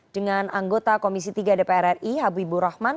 dengan anggota komisi tiga dpr ri habibur rahman